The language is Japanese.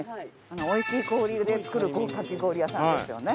おいしい氷で作るかき氷屋さんですよね。